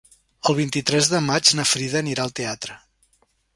El vint-i-tres de maig na Frida anirà al teatre.